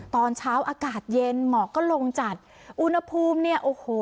ตอนเช้าอากาศเย็นหมอกก็ลงจัดอุณหภูมิเนี่ยโอ้โห